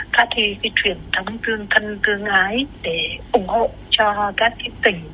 tha thì cái chuyển thống thương thân thương ái để ủng hộ cho các tỉnh